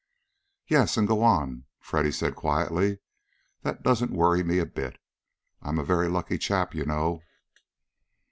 "Yes, and go on," Freddy said quietly. "That doesn't worry me a bit. I'm a very lucky chap, you know."